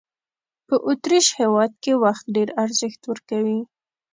په اوترېش هېواد کې وخت ډېر ارزښت ورکوي.